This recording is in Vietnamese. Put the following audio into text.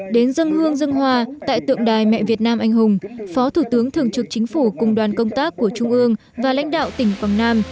đến dân hương dân hoa tại tượng đài mẹ việt nam anh hùng phó thủ tướng thường trực chính phủ cùng đoàn công tác của trung ương và lãnh đạo tỉnh quảng nam